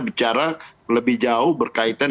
bicara lebih jauh berkaitan